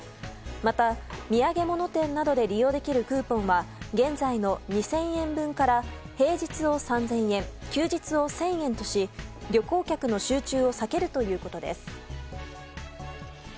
また土産物店などで利用できるクーポンは現在の２０００円分から平日を３０００円休日を１０００円とし旅行客の集中を避けるということです。